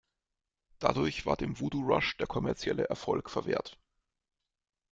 Dadurch war dem Voodoo Rush der kommerzielle Erfolg verwehrt.